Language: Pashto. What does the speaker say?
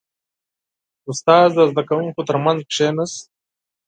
• استاد د زده کوونکو ترمنځ کښېناست.